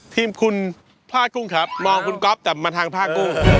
ทีมคุณผ้ากุ้งครับมองคุณก๊อฟแต่มาทางผ้ากุ้ง